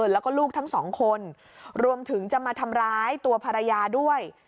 แล้วก็ลูกทั้งสองคนรวมถึงจะมาทำร้ายตัวภรรยาด้วย